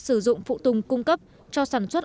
sử dụng phụ tùng cung cấp cho sản xuất